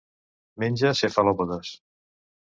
Menja cefalòpodes.